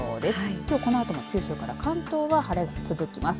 きょう、このあとは九州から関東は晴れが続きます。